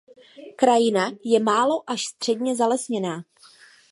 Krajina je málo až středně zalesněná.